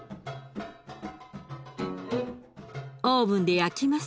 オーブンで焼きます。